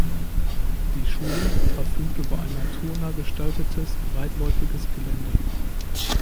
Die Schule verfügt über ein naturnah gestaltetes, weitläufiges Gelände.